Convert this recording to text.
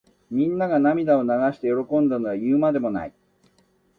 みんなが涙を流して喜んだのは言うまでもない。